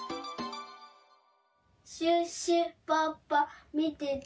シュッシュポッポみてて。